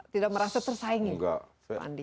tidak merasa tersaingin pak andi